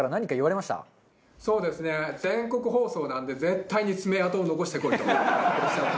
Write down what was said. そうですね全国放送なので絶対に爪痕を残してこいと。